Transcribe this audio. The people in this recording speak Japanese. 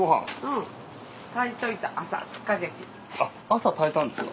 朝炊いたんですか？